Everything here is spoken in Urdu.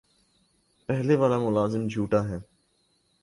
پہلے والا ملازم جھوٹا ہے